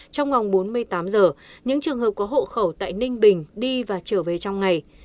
trong vòng bốn mươi tám giờ những trường hợp có hộ khẩu tại ninh bình đi và trở về trong ngày